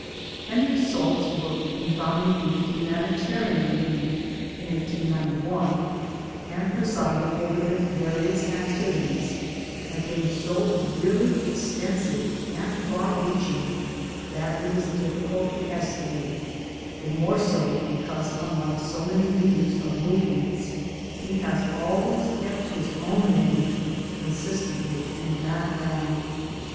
Henry Salt's work in founding the Humanitarian League (in 1891) and presiding over its very various activities has been so really exten sive and far reaching that it is difficult to estimate the more so because unlike so many leaders of movements he has always kept his own name con sistently in the background.